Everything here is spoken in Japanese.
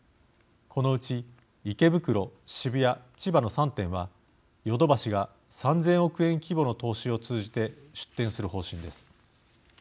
このうち、池袋、渋谷千葉の３店はヨドバシが３０００億円規模の投資を通じて出店する方針です。